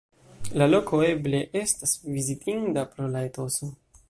La loko eble estas vizitinda pro la etoso.